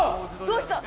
「どうした？